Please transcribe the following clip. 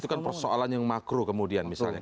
itu kan persoalan yang makro kemudian misalnya